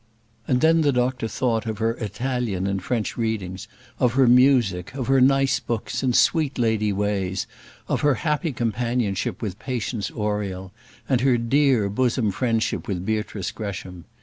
And then the doctor thought of her Italian and French readings, of her music, of her nice books, and sweet lady ways, of her happy companionship with Patience Oriel, and her dear, bosom friendship with Beatrice Gresham.